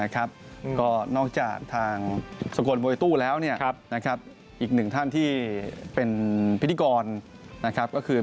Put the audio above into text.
ก็นอกจากทางสกลมวยตู้แล้วอีกหนึ่งท่านที่เป็นพิธีกรก็คือ